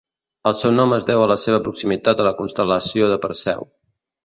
El seu nom es deu a la seva proximitat a la constel·lació de Perseu.